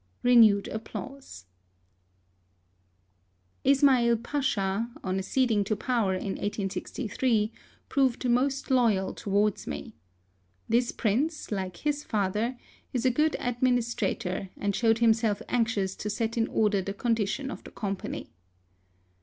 (Renewed applause.) I 74 HISTORY OF Ismail Pacha, on acceding to power in 1863, proved most loyal towards me. This prince, like his father, is a good adminis trator, and showed himself anxious to set in order the condition of the Company.